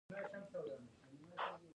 ایا ستاسو کور له برکت ډک دی؟